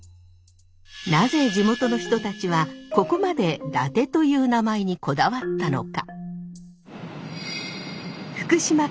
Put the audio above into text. なぜ地元の人たちはここまで伊達という名前にこだわったのか？